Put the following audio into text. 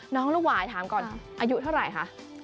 ลูกหวายถามก่อนอายุเท่าไหร่คะ